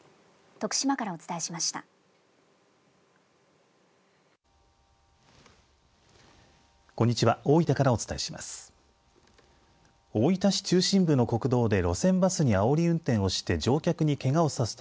徳島からお伝えしました。